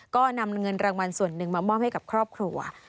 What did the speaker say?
ก็นำเงินรางวัลส่วนหนึ่งมามอบให้กับครอบครัว